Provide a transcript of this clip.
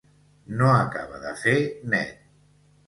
No acaba de fer net.